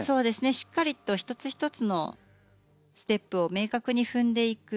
しっかりと１つ１つのステップを明確に踏んでいく。